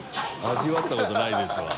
味わったことないですわ